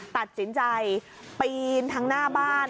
ตัดสินใจปีนทางหน้าบ้าน